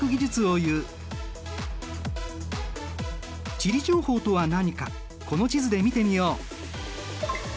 地理情報とは何かこの地図で見てみよう。